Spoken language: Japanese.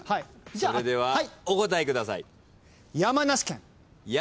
それではお答えください。